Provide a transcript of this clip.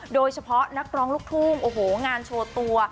โดยเฉพาะนักร้องลูกทุ่งโอ้โหงานโชว์ตัว